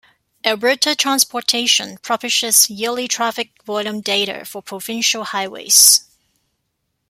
Alberta Transportation publishes yearly traffic volume data for provincial highways.